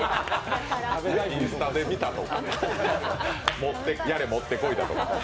インスタで見たとか、やれ持ってこいだとか。